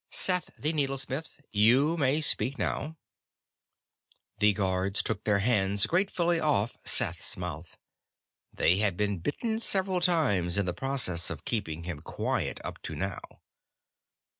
"Seth the Needlesmith, you may speak now." The guards took their hands gratefully off Seth's mouth; they had been bitten several times in the process of keeping him quiet up to now.